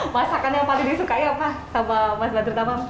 masakannya yang paling disukai apa sama mas badrut amang